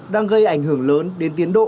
đang gây ảnh hưởng lớn đến tiến độ